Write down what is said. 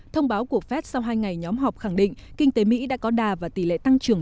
thông báo của fed sau hai ngày nhóm họp khẳng định kinh tế mỹ đã có đà và tỷ lệ tăng trưởng